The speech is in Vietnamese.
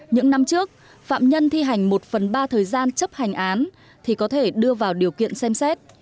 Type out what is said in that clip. những năm trước phạm nhân thi hành một phần ba thời gian chấp hành án thì có thể đưa vào điều kiện xem xét